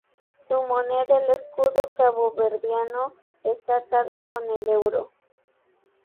Su moneda, el escudo caboverdiano, está atada con el euro.